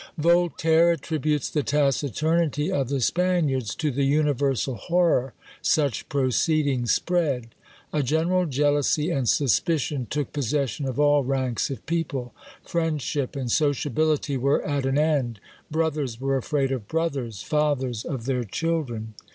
Voltaire attributes the taciturnity of the Spaniards to the universal horror such proceedings spread. "A general jealousy and suspicion took possession of all ranks of people: friendship and sociability were at an end! Brothers were afraid of brothers, fathers of their children."